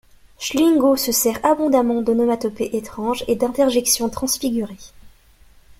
Schlingo se sert abondamment d’onomatopées étranges et d’interjections transfigurées.